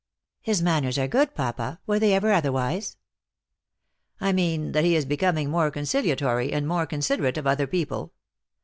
" His manners are good, Papa. Were they ever otherwise ?" "I mean that he is becoming more conciliatory, and more considerate of other people.